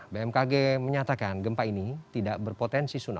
bmkg menyatakan gempa ini tidak berpotensi tsunami